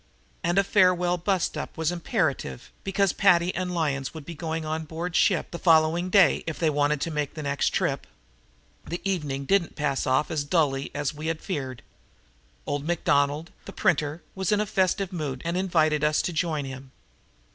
And a farewell bust up was imperative because Paddy and Lyons would have to go on board ship the following day if they wanted to make the next trip. The evening didn't pass off as dully as we had feared. Old McDonald, the printer, was in a festive mood and invited us to join him.